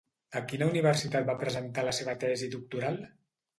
A quina universitat va presentar la seva tesi doctoral?